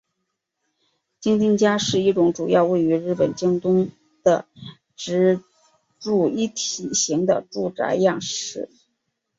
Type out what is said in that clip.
京町家是一种主要位于日本京都的职住一体型的住宅样式。